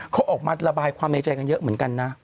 เขาออกมาระบายความในใจกันเยอะเหมือนกันนะ